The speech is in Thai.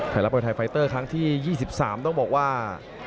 ไทยรัฐมวยไทยไฟเตอร์ครั้งที่๒๓ต้องบอกว่า